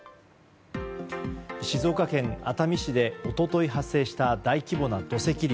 静岡県熱海市で一昨日発生した大規模な土石流。